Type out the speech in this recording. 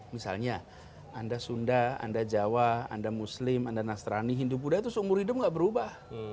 misalnya anda sunda anda jawa anda muslim anda nasrani hindu buddha itu seumur hidup nggak berubah